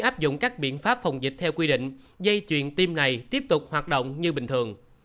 áp dụng các biện pháp phòng dịch theo quy định dây chuyền tiêm này tiếp tục hoạt động như bình thường